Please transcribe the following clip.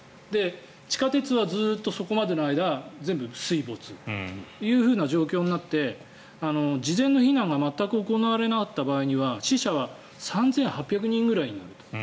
地下鉄はずっとそこまでの間全部水没というふうな状況になって事前の避難が全く行われなかった場合には死者は３８００人くらいになると。